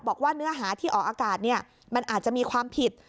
บอกว่าเนื้อหาที่ออกอากาศมันอาจจะมีความผิด